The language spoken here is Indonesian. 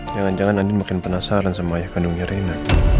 jangan jangan andin makin penasaran sama ayah kandungnya rena